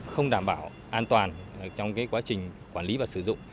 không đảm bảo an toàn trong quá trình quản lý và sử dụng